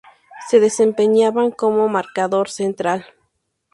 Se desempeñaba como marcador central.